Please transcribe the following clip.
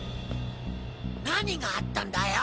何があったんだよ？